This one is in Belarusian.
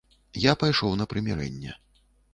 Я пайшоў на прымірэнне.